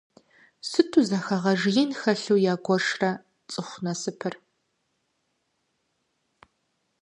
Сыту зэхэгъэж ин хэлъу ягуэшрэ цӏыху насыпыр.